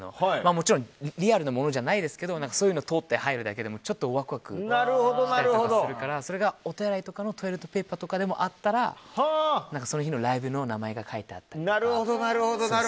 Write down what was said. もちろんリアルなものじゃないですけどそういうのに通って入るだけでもちょっとワクワクしたりとかするからそれがお手洗いのトイレットペーパーにもあればその日のライブの名前が書いてあったりとか。